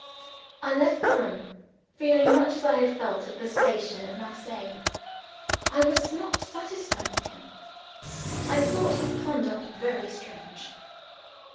I left the room, feeling much as I had felt at the station at Marseilles. I was not satisfied with him. I thought his conduct very strange.